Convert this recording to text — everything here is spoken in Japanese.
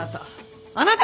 あなた。